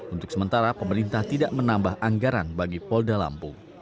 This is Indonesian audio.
untuk sementara pemerintah tidak menambah anggaran bagi polda lampung